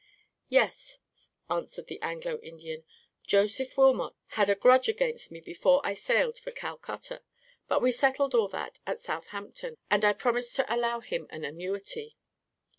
"Yes," answered the Anglo Indian, "Joseph Wilmot had a grudge against me before I sailed for Calcutta, but we settled all that at Southampton, and I promised to allow him an annuity."